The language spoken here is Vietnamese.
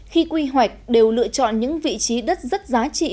khi quy hoạch đều lựa chọn những vị trí đất rất giá trị